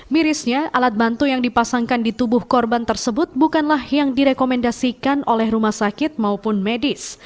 mirisnya alat bantu yang dipasangkan di tubuh korban tersebut bukanlah yang direkomendasikan oleh rumah sakit maupun medis